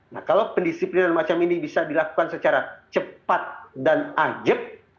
nah kalau pendisiplinan macam ini bisa dilakukan secara cepat dan ajeb